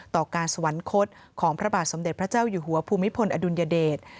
ต่อการสวรรคตของพระบาทสมเด็จพระเจ้าอยู่หัวภูมิพลอดุลยเดช